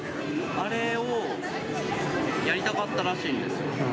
あれをやりたかったらしいんですよ。